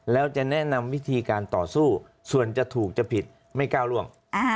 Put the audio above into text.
แล้วจะแนะนำวิธีการต่อสู้ส่วนจะถูกจะผิดไม่ก้าวร่วง